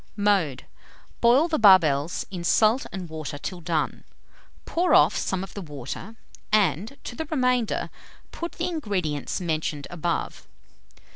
Mode Boil the barbels in salt and water till done; pour off some of the water, and, to the remainder, put the ingredients mentioned above.